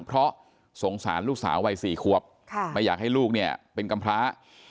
เพราะสงสารลูกสาววัย๔ควบไม่อยากให้ลูกเนี่ยเป็นกำพร้า